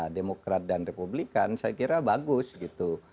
demokrat dan republikan saya kira bagus gitu